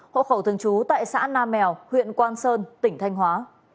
hộ khẩu thường trú tại xã nam mèo huyện quang sơn tỉnh thanh hóa